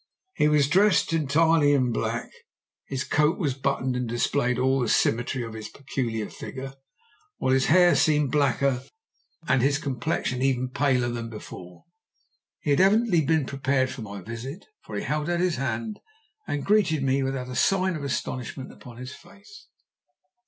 He was dressed entirely in black, his coat was buttoned and displayed all the symmetry of his peculiar figure, while his hair seemed blacker and his complexion even paler than before. He had evidently been prepared for my visit, for he held out his hand and greeted me without a sign of astonishment upon his face.